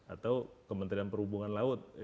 atau kementerian perhubungan laut